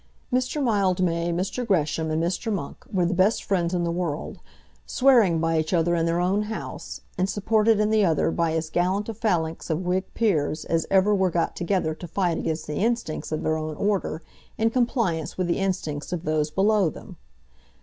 Mr. Mildmay, Mr. Gresham, and Mr. Monk were the best friends in the world, swearing by each other in their own house, and supported in the other by as gallant a phalanx of Whig peers as ever were got together to fight against the instincts of their own order in compliance with the instincts of those below them.